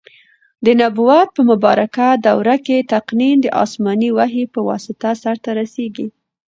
د نبوت په مبارکه دور کي تقنین د اسماني وحي په واسطه سرته رسیږي.